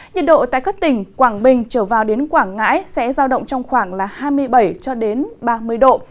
nhiệt độ tại các tỉnh quảng bình trở vào đến quảng ngãi sẽ giao động trong khoảng hai mươi bảy ba mươi độ